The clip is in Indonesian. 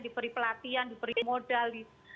diberi pelatihan diberi modalis